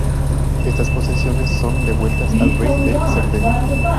Estas posesiones son devueltas al Rey de Cerdeña.